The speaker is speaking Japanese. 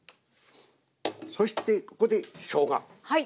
そしてここでしょうが。